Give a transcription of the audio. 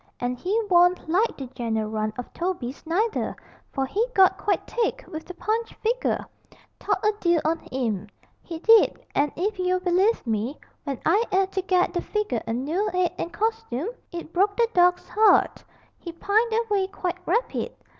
And he warn't like the general run of Tobies neither, for he got quite thick with the Punch figger thought a deal on 'im, he did and if you'll believe me, when I 'ad to get the figger a noo 'ead and costoom, it broke the dawg's 'art he pined away quite rapid.